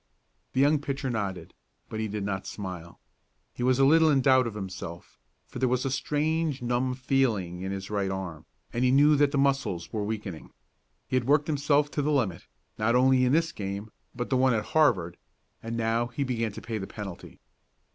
The young pitcher nodded, but he did not smile. He was a little in doubt of himself, for there was a strange numb feeling in his right arm, and he knew that the muscles were weakening. He had worked himself to the limit, not only in this game, but the one with Harvard, and now he began to pay the penalty.